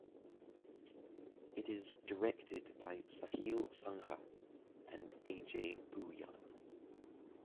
It is directed by Sahil Sangha and Ajay Bhuyan.